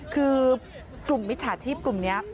คือกลุ่มมิจฉาชีพกลุ่มนี้